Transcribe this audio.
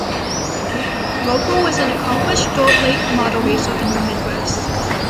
Roper was an accomplished dirt late model racer in the Midwest.